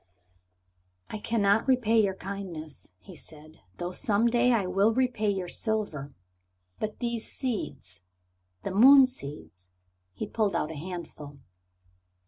"I cannot repay your kindness," he said, "though some day I will repay your silver. But these seeds the moon seeds," he pulled out a handful.